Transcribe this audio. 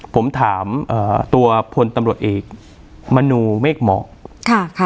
ผมถามตัวพลตำรวจเอกมณูเมกหมอก